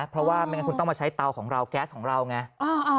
เพราะว่าไม่งั้นคุณต้องมาใช้เตาของเราแก๊สของเราไง